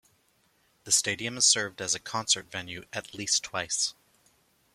The stadium has served as a concert venue at least twice.